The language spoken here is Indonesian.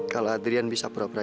kalau adrian bisa propera